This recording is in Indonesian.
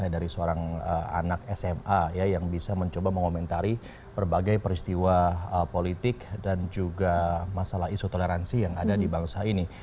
dari seorang anak sma yang bisa mencoba mengomentari berbagai peristiwa politik dan juga masalah isu toleransi yang ada di bangsa ini